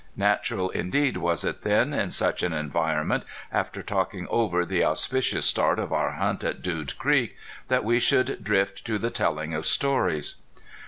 Natural indeed was it then, in such an environment, after talking over the auspicious start of our hunt at Dude Creek, that we should drift to the telling of stories.